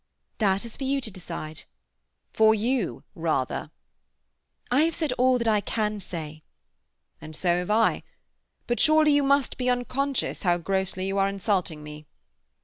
"That is for you to decide." "For you rather." "I have said all that I can say." "And so have I. But surely you must be unconscious how grossly you are insulting me."